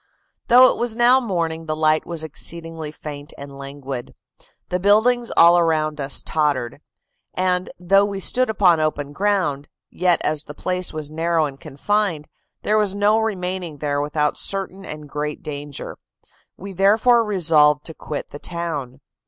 "Though it was now morning, the light was exceedingly faint and languid; the buildings all around us tottered; and, though we stood upon open ground, yet as the place was narrow and confined, there was no remaining there without certain and great danger: we therefore resolved to quit the town.